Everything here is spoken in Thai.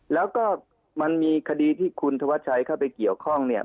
แล้วก็มันมีคดีที่คุณธวัชชัยเข้าไปเกี่ยวข้องเนี่ย